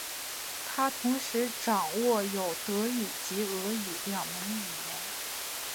他同时掌握有德语及俄语两门语言。